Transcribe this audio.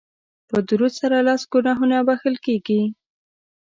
په درود سره لس ګناهونه بښل کیږي